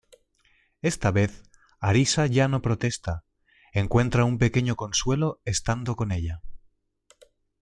Esta vez Arisa ya no protesta, encuentra un pequeño consuelo estando con ella.